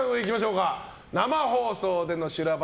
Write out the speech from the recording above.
生放送での修羅場